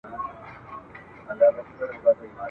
ستا د تخت او زما د سر به دښمنان وي !.